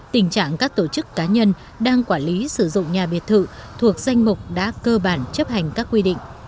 tình trạng các tổ chức cá nhân đang quản lý sử dụng nhà biệt thự thuộc danh mục đã cơ bản chấp hành các quy định